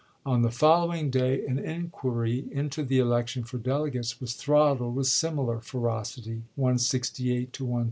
On the following day an inquiry into the election for delegates was throttled with similar ferocity, 168 to 127.